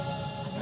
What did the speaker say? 何？